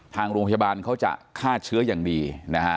ทางโรงพยาบาลเขาจะฆ่าเชื้ออย่างดีนะฮะ